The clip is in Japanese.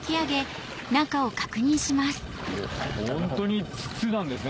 ホントに筒なんですね。